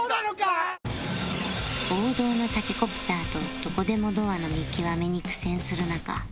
王道のタケコプターとどこでもドアの見極めに苦戦する中